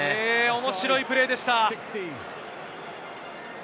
面白いプレーでした。